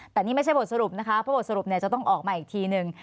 แต่นี่ไม่ใช่บทสรุปนะคะเพราะบทสรุปจะต้องออกมาอีกทีหนึ่ง